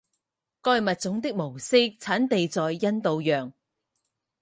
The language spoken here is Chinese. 该物种的模式产地在印度洋。